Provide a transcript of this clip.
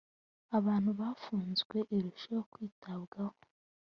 abantu bafunzwe irusheho kwitabwaho